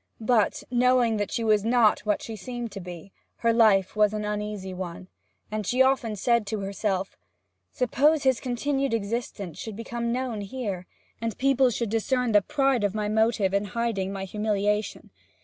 But, knowing that she was not what she seemed to be, her life was an uneasy one, and she often said to herself: 'Suppose his continued existence should become known here, and people should discern the pride of my motive in hiding my humiliation?